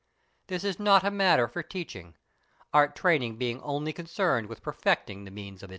This is not a matter for teaching, art training being only concerned with perfecting the means of its expression.